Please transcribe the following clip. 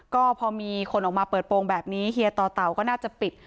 ก็พอมีคนออกมาเปิดโปรงแบบนี้เฮียต่อเต่าก็น่าจะปิด